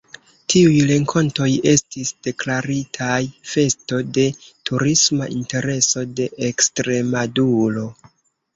Tiuj renkontoj estis deklaritaj Festo de Turisma Intereso de Ekstremaduro.